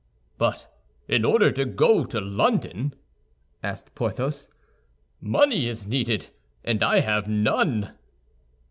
"But in order to go to London," added Porthos, "money is needed, and I have none."